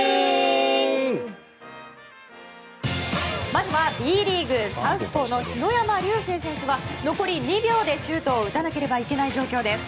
まずはＢリーグサウスポーの篠山竜青選手は残り２秒でシュートを打たなければいけない状況です。